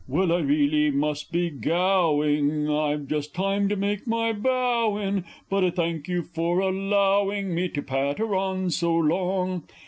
Well, I reelly must be gowing I've just time to make my bow in But I thank you for allowing me to patter on so long.